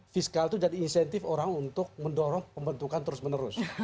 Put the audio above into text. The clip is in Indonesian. fiskal itu jadi insentif orang untuk mendorong pembentukan terus menerus